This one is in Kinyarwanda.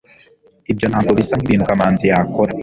ibyo ntabwo bisa nkibintu kamanzi yakora